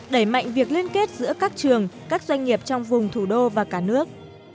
đẩy mạnh việc liên kết giữa các trường các doanh nghiệp trong vùng thủ đô và cả nước